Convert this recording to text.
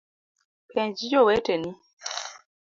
Penj joweteni